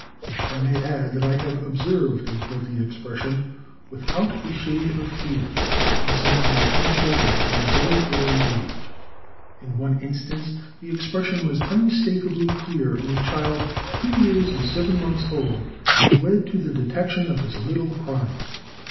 I may add, that I have observed a guilty expression, without a shade of fear, in some of my own children at a very early age. In one instance the expression was unmistakably clear in a child two years and seven months old, and led to the detection of his little crime.